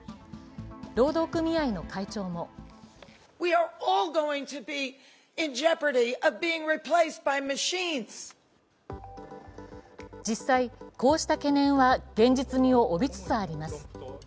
労働組合の会長も実際、こうした懸念は現実味を帯びつつあります。